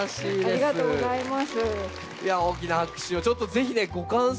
ありがとうございます。